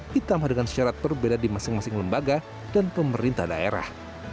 ditambah dengan syarat berbeda di masing masing lembaga dan pemerintah daerah